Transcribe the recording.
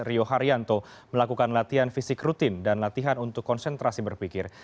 rio haryanto melakukan latihan fisik rutin dan latihan untuk konsentrasi berpikir